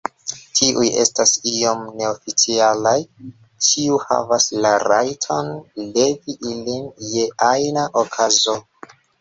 Tiuj estas iom neoficialaj, ĉiu havas la rajton levi ilin je ajna okazo.